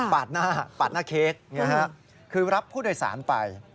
ปาดหน้าเค้กคือรับผู้โดยสารไป